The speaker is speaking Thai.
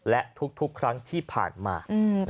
และทุกครั้งที่ผ่านมา